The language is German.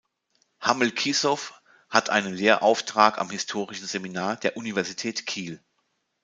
Hammel-Kiesow hat einen Lehrauftrag am Historischen Seminar der Universität Kiel.